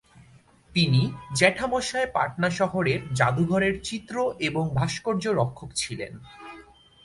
তিনি জ্যাঠামশায় পাটনা শহরের জাদুঘরের চিত্র এবং ভাস্কর্য রক্ষক ছিলেন।